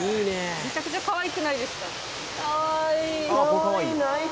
めちゃくちゃかわいくないですか？